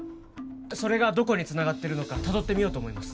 それがどこにつながってるのかたどってみようと思います